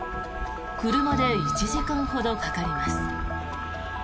車で１時間ほどかかります。